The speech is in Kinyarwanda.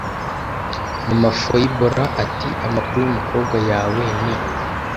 mama-fabiora ati”amakuru yumukobwa yawe ni